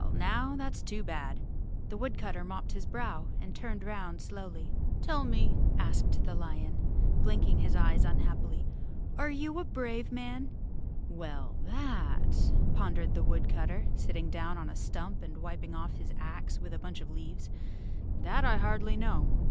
"Well, now that's too bad." The woodcutter mopped his brow and turned 'round slowly. "Tell me," asked the lion, blinking his eyes unhap¬ pily, "are you a brave man?" ill The Cowardly Lion of Oz _ "Well, that," pondered the woodcutter, sitting down on a stump and wiping off his ax with a bunch of leaves, "that I hardly know."